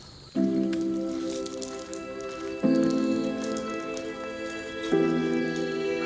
kondisi ini juga membuat kita merasa lebih berbahagia